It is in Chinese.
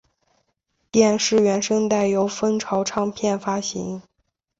电视原声带由风潮唱片发行。